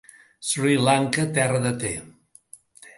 Sri Lanka, terra de te.